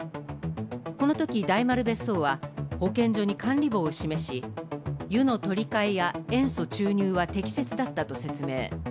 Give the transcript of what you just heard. このとき、大丸別荘は保健所に管理簿を示し湯の取り替えや塩素注入は適切だったと説明。